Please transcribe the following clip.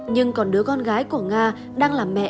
nhưng còn đứa con gái của nga đang là mẹ khi mới một mươi bốn tuổi